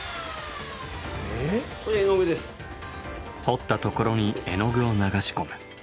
彫ったところに絵の具を流し込む。